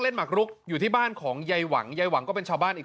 หมักรุกอยู่ที่บ้านของยายหวังยายหวังก็เป็นชาวบ้านอีก